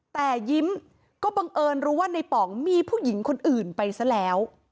แต่ยิ้มก็บังเอิญรู้ว่าในป๋องมีผู้หญิงคนอื่นไปซะแล้ว